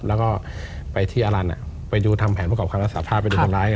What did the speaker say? แล้วก็ไปที่อลันไปดูทำแผนประกอบคำรับสาภาพไปดูทำร้าย